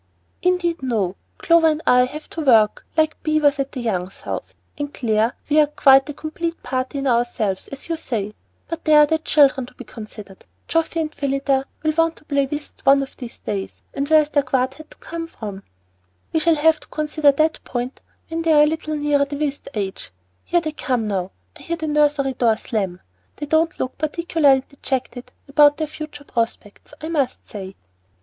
"Indeed, no! Clover and I have to work like beavers on the Youngs' house. And, Clare, we are quite a complete party in ourselves, as you say; but there are the children to be considered. Geoffy and Phillida will want to play whist one of these days, and where is their quartet to come from?" [Illustration: "Down they came, hand in hand, chattering as they went." PAGE 111] "We shall have to consider that point when they are a little nearer the whist age. Here they come now. I hear the nursery door slam. They don't look particularly dejected about their future prospects, I must say."